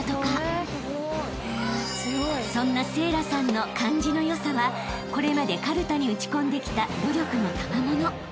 ［そんな聖欄さんの感じの良さはこれまでかるたに打ち込んできた努力のたまもの］